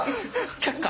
却下。